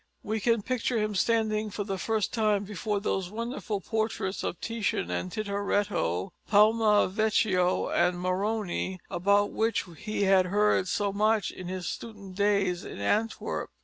We can picture him standing for the first time before those wonderful portraits of Titian and Tintoretto, Palma Vecchio and Moroni, about which he had heard so much in his student days in Antwerp.